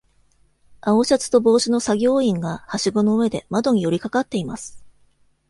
青シャツと帽子の作業員がはしごの上で窓に寄りかかっています。